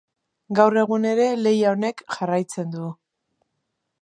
Gaur egun ere lehia honek jarraitzen du.